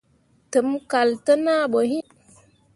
Tǝmmi kal te naa ɓoyin.